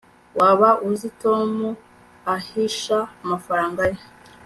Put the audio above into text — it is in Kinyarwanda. waba uzi aho tom ahisha amafaranga ye